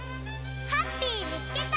ハッピーみつけた！